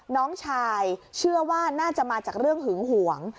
น้องชายเชื่อว่าน่าจะมาจากเรื่องหึงหวง